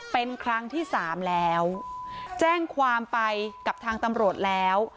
เป็นครั้งที่สามแล้วแจ้งความไปกับทางตำรวจแล้ว